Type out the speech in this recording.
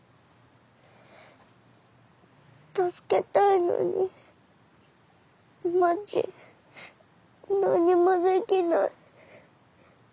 助けたいのにまち何もできない。